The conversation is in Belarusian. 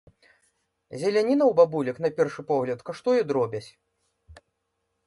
Зеляніна ў бабулек, на першы погляд, каштуе дробязь.